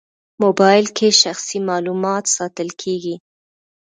موبایل کې شخصي معلومات ساتل کېږي.